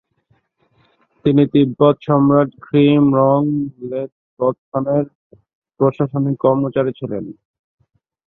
তিনি তিব্বত সম্রাট খ্রি-স্রোং-ল্দে-ব্ত্সানের প্রশাসনিক কর্মুচারী ছিলেন।